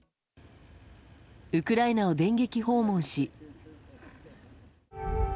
ウクライナを電撃訪問し。